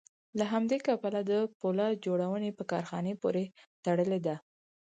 له همدې کبله د پولاد جوړونې په کارخانې پورې تړلې ده